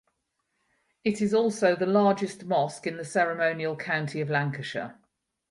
It is also the largest mosque in the ceremonial county of Lancashire.